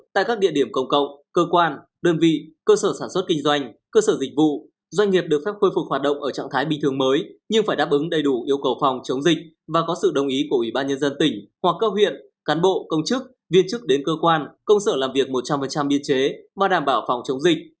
tại các địa điểm công cộng cơ quan đơn vị cơ sở sản xuất kinh doanh cơ sở dịch vụ doanh nghiệp được phép khôi phục hoạt động ở trạng thái bình thường mới nhưng phải đáp ứng đầy đủ yêu cầu phòng chống dịch và có sự đồng ý của ủy ban nhân dân tỉnh hoặc các huyện cán bộ công chức viên chức đến cơ quan công sở làm việc một trăm linh biên chế mà đảm bảo phòng chống dịch